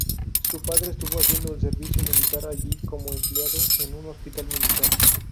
Su padre estuvo haciendo el servicio militar allí como empleado en un hospital militar.